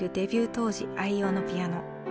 当時愛用のピアノ。